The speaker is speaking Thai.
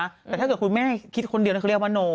แต่ถ้าเกิดคุณแม่คิดคนเดียวเขาเรียกว่าโน